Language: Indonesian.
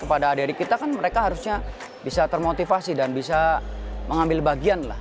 kepada adik adik kita kan mereka harusnya bisa termotivasi dan bisa mengambil bagian lah